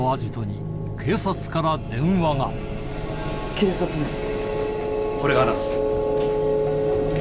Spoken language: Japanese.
警察です。